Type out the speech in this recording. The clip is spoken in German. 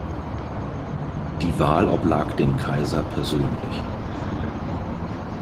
Die Wahl oblag dem Kaiser persönlich.